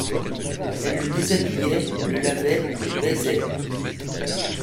Elle le déshabillait, le lavait, le baisait.